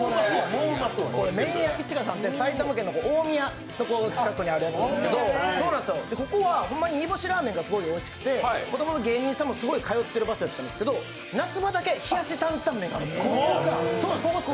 麺屋一禾さんって埼玉県の大宮の近くにあるんですけど、ここはほんま、煮干しラーメンがすごくおいしくてもともと芸人さんもすごい通ってる場所だったんですが、夏場だけ冷やし坦々麺があるんですよ。